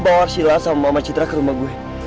bawa arsila sama mama citra ke rumah gue